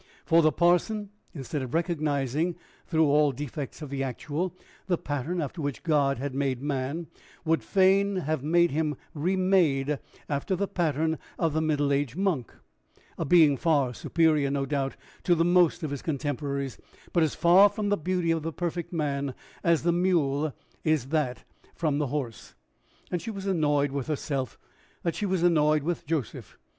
For the parson, instead of recognizing, through all defects of the actual, the pattern after which God had made man, would fain have him remade after the pattern of the middle age monk a being far superior, no doubt, to the most of his contemporaries, but as far from the beauty of the perfect man as the mule is from that of the horse; and she was annoyed with herself that she was annoyed with Joseph.